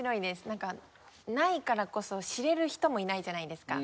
なんかないからこそ知れる人もいないじゃないですか。